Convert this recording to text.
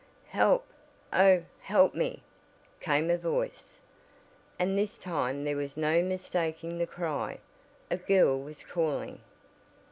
"Help! oh, help me!" came a voice, and this time there was no mistaking the cry; a girl was calling.